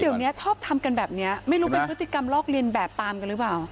เดี๋ยวนี้ชอบทำกันแบบนี้ไม่รู้เป็นพฤติกรรมลอกเรียนแบบตามกันหรือเปล่า